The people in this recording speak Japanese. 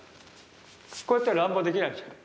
こうやったら乱暴にできないじゃん。